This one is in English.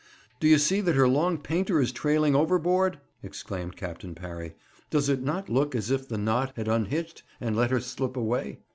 'Do you see that her long painter is trailing overboard?' exclaimed Captain Parry. 'Does it not look as if the knot had unhitched and let her slip away?'